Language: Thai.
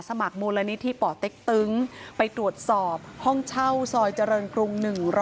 สมัครมูลนิธิป่อเต็กตึงไปตรวจสอบห้องเช่าซอยเจริญกรุง๑๐